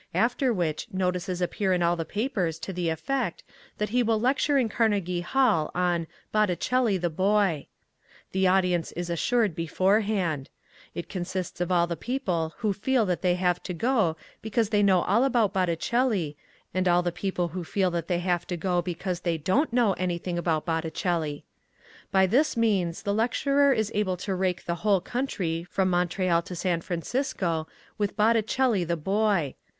After which notices appear in all the papers to the effect that he will lecture in Carnegie Hall on "Botticelli the Boy". The audience is assured beforehand. It consists of all the people who feel that they have to go because they know all about Botticelli and all the people who feel that they have to go because they don't know anything about Botticelli. By this means the lecturer is able to rake the whole country from Montreal to San Francisco with "Botticelli the Boy".